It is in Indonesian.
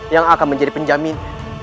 yang akan menjadi penjamin